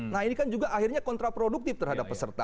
nah ini kan juga akhirnya kontraproduktif terhadap peserta